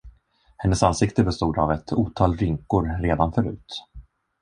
Hennes ansikte bestod av ett otal rynkor redan förut.